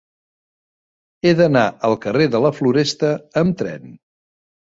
He d'anar al carrer de la Floresta amb tren.